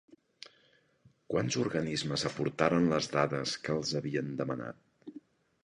Quants organismes aportaren les dades que els havien demanat?